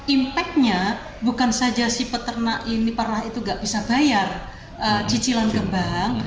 impaknya bukan saja si peternak ini perah itu nggak bisa bayar cicilan kembang